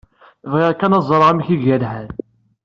Bɣiɣ kan ad ẓreɣ amek iga lḥal.